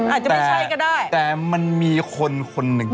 อาจจะไม่ใช่ก็ได้แต่มันมีคนคนหนึ่ง